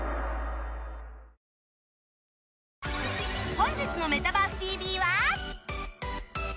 本日の「メタバースＴＶ！！」